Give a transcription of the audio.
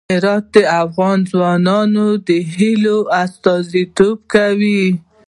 هرات د افغان ځوانانو د هیلو استازیتوب کوي.